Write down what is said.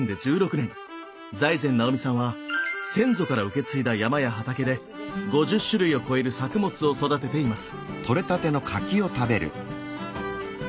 財前直見さんは先祖から受け継いだ山や畑で５０種類を超える作物を育てています。